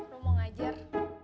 rum mau ngajar